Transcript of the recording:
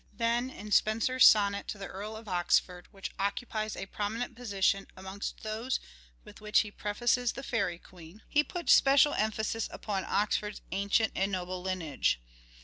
Then in Spenser's sonnet to the Earl of Oxford, which occupies a prominent position amongst those with which he prefaces the " Fairie Queen," he puts special emphasis upon Oxford's ancient and noble lineage.